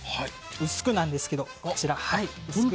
薄くなんですけれども、こちら。